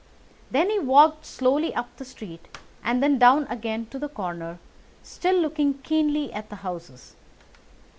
Then he walked slowly up the street, and then down again to the corner, still looking keenly at the houses.